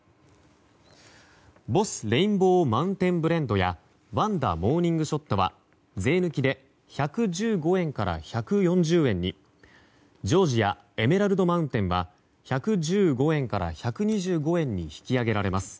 ボスレインボーマウンテンブレンドやワンダモーニングショットは税抜きで１１５円から１４０円にジョージアエメラルドマウンテンは１１５円から１２５円に引き上げられます。